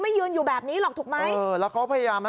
ยืนอยู่แบบนี้หรอกถูกไหมเออแล้วเขาพยายามไหม